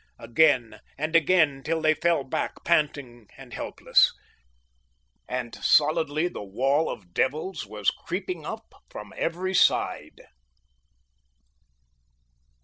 Again and again, till they fell back, panting and helpless. And solidly the wall of devils was creeping up from every side.